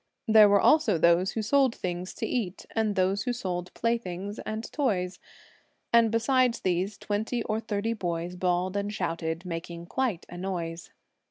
There were also those who sold things to eat, and those who sold playthings and toys; and besides these, twenty or thirty boys bawled and shouted, making quite a noise.